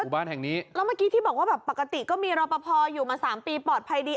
บ้านแห่งนี้แล้วเมื่อกี้ที่บอกว่าแบบปกติก็มีรอปภอยู่มาสามปีปลอดภัยดี